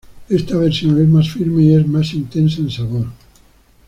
Esta versión es más firme y es más intenso en sabor.